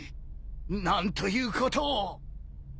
何ということを。